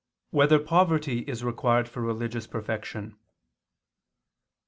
3] Whether Poverty Is Required for Religious Perfection?